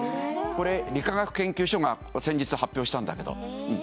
これ理化学研究所が先日発表したんだけど。